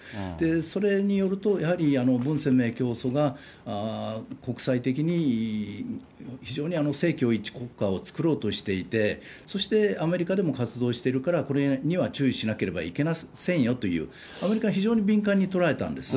それによると、やはり文鮮明教祖が、国際的に非常に政教一致国家を作ろうとしていて、そしてアメリカでも活動しているから、これには注意しなければいけませんよという、アメリカは非常に敏感に捉えたんです。